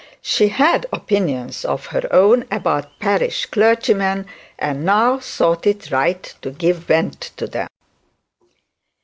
She had opinions of her own about parish clergymen, and now thought it right to give vent to them.